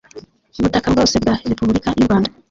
butaka bwose bwa Repubulika y u Rwanda